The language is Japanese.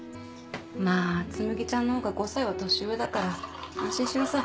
まぁつむぎちゃんのほうが５歳は年上だから安心しなさい。